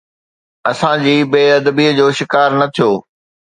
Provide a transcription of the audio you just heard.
اسان جي بي ادبيءَ جو شڪار نه ٿيو.